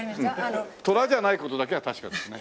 虎じゃない事だけは確かですね。